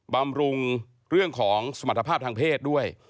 บำรุงเรื่องของสมรรถภาพทางเพศด้วย